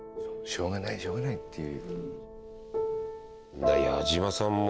「しょうがないしょうがないっていう」